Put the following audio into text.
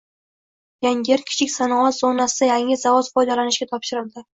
Yangiyer kichik sanoat zonasida yangi zavod foydalanishga topshirildi